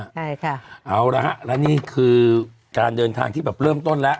ใช่ค่ะเอาละฮะและนี่คือการเดินทางที่แบบเริ่มต้นแล้ว